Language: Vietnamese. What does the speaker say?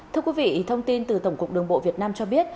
thưa quý vị thông tin từ tổng cục đường bộ việt nam cho biết